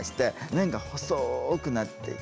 麺が細くなっていく。